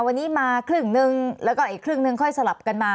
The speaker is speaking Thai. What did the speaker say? วันนี้มาครึ่งนึงแล้วก็อีกครึ่งนึงค่อยสลับกันมา